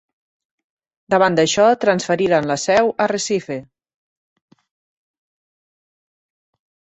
Davant d'això, transferiren la seu a Recife.